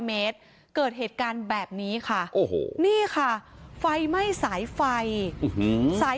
เมตรเกิดเหตุการณ์แบบนี้ค่ะโอ้โหนี่ค่ะไฟไหม้สายไฟสาย